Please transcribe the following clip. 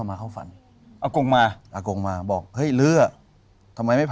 มันว่างิ่งไร